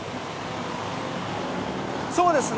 そうですね。